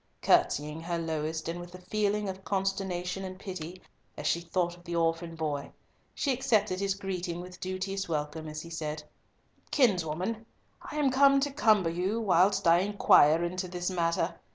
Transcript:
Curtseying her lowest and with a feeling of consternation and pity, as she thought of the orphan boy, she accepted his greeting with duteous welcome as he said, "Kinswoman, I am come to cumber you, whilst I inquire into this matter.